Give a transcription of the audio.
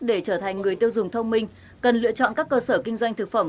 để trở thành người tiêu dùng thông minh cần lựa chọn các cơ sở kinh doanh thực phẩm